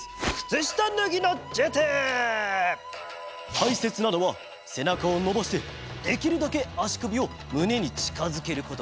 たいせつなのはせなかをのばしてできるだけあしくびをむねにちかづけること。